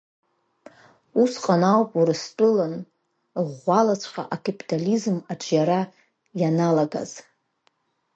Усҟан ауп Урыстәылан ӷәӷәалаҵәҟьа акапитализм аҿиара ианалагаз.